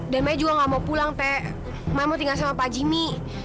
dan saya juga gak mau pulang teh saya mau tinggal sama pak jimmy